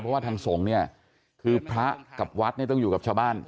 เพราะว่าทางสงฆ์เนี่ยคือพระกับวัดเนี่ยต้องอยู่กับชาวบ้าน